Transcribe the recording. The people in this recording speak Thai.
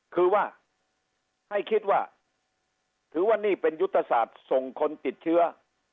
คือว่าให้คิดว่าถือว่านี่เป็นยุทธศาสตร์ส่งคนติดเชื้อ